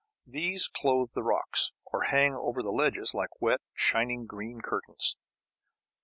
These clothe the rocks, or hang over the ledges like wet, shining green curtains.